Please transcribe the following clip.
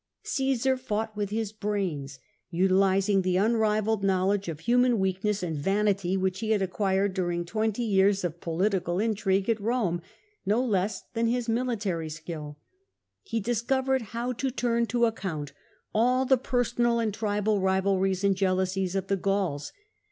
* Caesar fought with his brains, utilising the unrivalled knowledge of human weakness and vanity which he had acquired during twenty years of political intrigue at Eome, no less than his military skill. He discovered how to turn to account all the personal and tribal rivalries and jealousies of the Gauls.